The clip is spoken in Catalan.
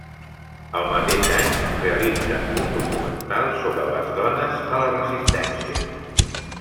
El mateix any, realitza un documental sobre les dones a la resistència.